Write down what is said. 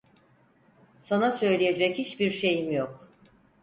Sana söyleyecek hiçbir şeyim yok.